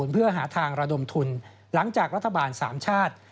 เพื่อหาทางระดมทุนหลังจากรัฐบาล๓ชาติ